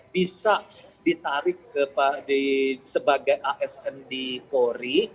bisa ditarik sebagai asm di kori